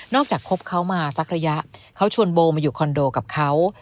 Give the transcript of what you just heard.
จากคบเขามาสักระยะเขาชวนโบมาอยู่คอนโดกับเขา